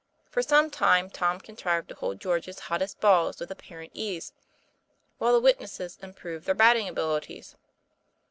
For some time Tom contrived to hold George's hottest balls with apparent ease, while the witnesses improved their batting abilities.